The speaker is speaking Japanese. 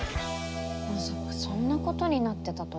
まさかそんなことになってたとは。